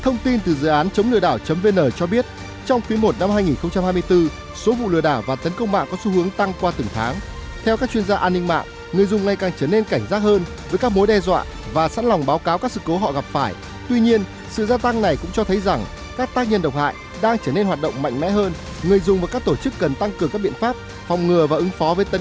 nếu cần tăng cường các biện pháp phòng ngừa và ứng phó với tấn công mạng